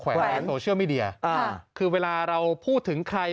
ในโซเชียลมีเดียคือเวลาเราพูดถึงใคร